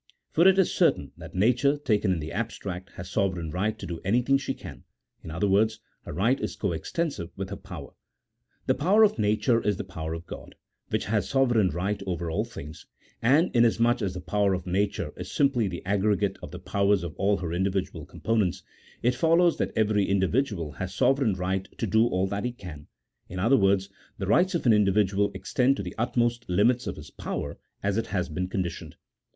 For it is certain that nature, taken in the abstract, has sovereign right to do anything she can ; in other words, her right is co extensive with her power. The power of nature is the power of God, which has sovereign right over all things ; and, inasmuch as the power of nature is simply the aggregate of the powers of all her individual components, it follows that every indi vidual has sovereign right to do all that he can ; in other words, the rights of an individual extend to the utmost limits of his power as it has been conditioned.